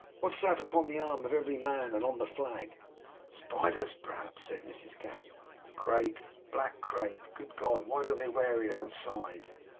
What's that upon the arm of every man, and on the flag?' 'Spiders, p'raps,' said Mrs Gamp. 'Crape! Black crape! Good God! why do they wear it outside?